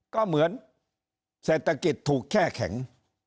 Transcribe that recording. ก็เหมือนเศรษฐกิจถูกแช่แข็ง